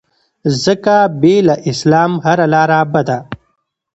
ځکه بې له اسلام هره لاره بده